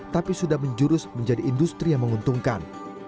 tapi sudah menjurus menjadi industri yang menguntungkan